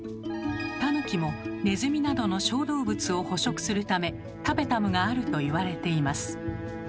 タヌキもネズミなどの小動物を捕食するためタペタムがあるといわれています。